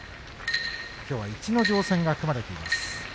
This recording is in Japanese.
きょうは逸ノ城戦が組まれています。